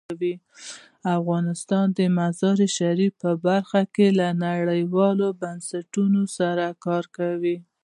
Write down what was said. افغانستان د مزارشریف په برخه کې له نړیوالو بنسټونو سره کار کوي.